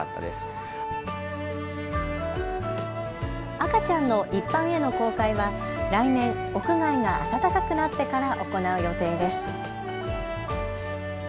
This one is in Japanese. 赤ちゃんの一般への公開は来年、屋外が暖かくなってから行う予定です。